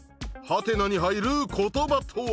「？」に入る言葉とは？